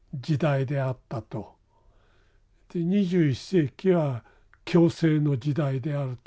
で２１世紀は共生の時代であると。